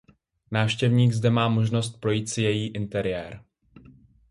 Návštěvník zde má možnost projít si její interiér.